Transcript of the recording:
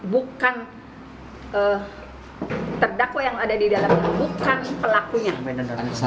bukan terdakwa yang ada di dalam kasus ini